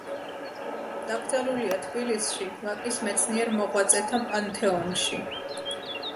დაკრძალულია თბილისში, ვაკის მეცნიერ მოღვაწეთა პანთეონში.